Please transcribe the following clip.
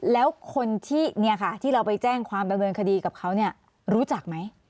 แล้วคนที่เนี่ยค่ะที่เราไปแจ้งความดำเนินคดีกับเขาเนี่ยรู้จักไหม